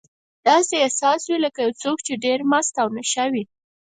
داسې احساس وي لکه یو څوک چې ډېر مست او نشه وي.